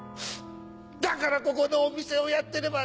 だからここのお店をやってればね